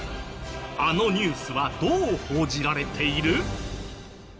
あのニュースはどう報じられている？